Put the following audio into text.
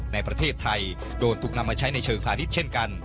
ในประเทศไทยโดนถูกนำมาใช้ในเชิงพาณิชย์เช่นกัน